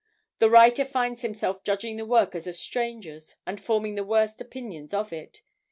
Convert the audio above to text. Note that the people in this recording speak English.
The writer finds himself judging the work as a stranger's, and forming the worst opinions of it.